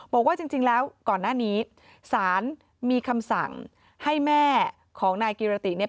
บอกว่าจริงแล้วก่อนหน้านี้สารมีคำสั่งให้แม่ของนายกิรติเนี่ย